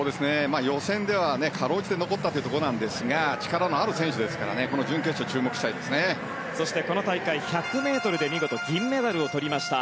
予選ではかろうじて残ったというところなんですが力のある選手ですのでこの大会１００ｍで見事銀メダルをとりました。